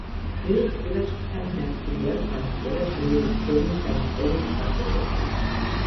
ბევრ სურათს თან დართული აქვს აღწერა დროის, ზომის ან წონის მაჩვენებლით.